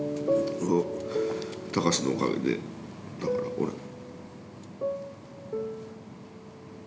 隆のおかげでだから俺も。